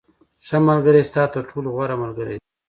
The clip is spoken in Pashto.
• ښه ملګری ستا تر ټولو غوره ملګری دی.